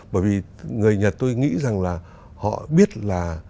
bởi vì người nhật tôi nghĩ rằng là họ biết là